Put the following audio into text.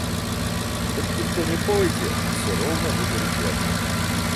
Хоць ніхто не пойдзе, усё роўна выберуць яго.